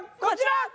こちら！